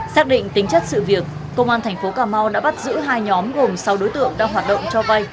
xác định tính chất sự việc công an thành phố cà mau đã bắt giữ hai nhóm gồm sáu đối tượng đang hoạt động cho vay